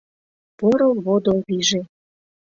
Поро водо лийже.